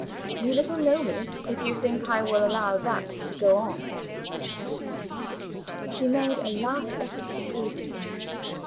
You little know me, if you think I will allow that to go on." She made a last effort to plead with him.